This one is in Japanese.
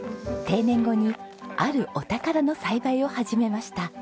定年後にあるお宝の栽培を始めました。